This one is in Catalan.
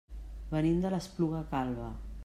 Venim de l'Espluga Calba.